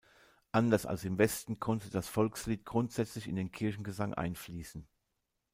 Anders als im Westen konnte das Volkslied grundsätzlich in den Kirchengesang einfließen.